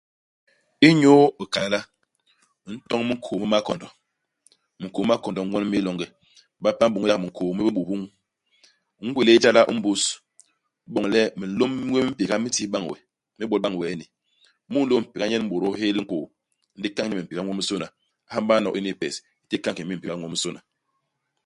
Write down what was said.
Inyu ikañ jala, u ntoñ minkôô mi makondo. Minkôô mi makondo ñwon mi yé longe. Bape na m'bôñôl yak minkôô mi bibubuñ. U ngwélél jala i mbus. Iboñ le minlôm ñwéé mi mimpéga mi tis bañ we, mi bol bañ i weeni. Mu i nlôm mpéga nyen a m'bôdôl hél nkôô, ndi u kañ ni mini mimpéga nwominsôna. U ham-ba nyono ini pes. U témb u kan ki mini mimpéga ñwominsôna.